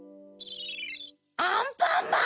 アンパンマン！